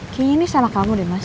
kini salah kamu deh mas